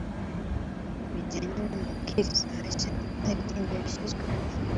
bijyanye n’amabwiriza mashya arigenga yashyizweho